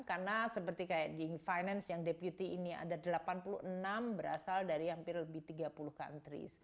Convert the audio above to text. karena seperti kayak di finance yang deputy ini ada delapan puluh enam berasal dari hampir lebih tiga puluh countries